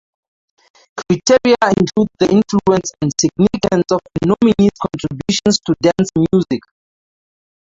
Criteria include the influence and significance of the nominee's contributions to dance music.